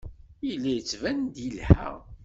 Yella yettban-d yelha.